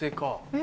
え？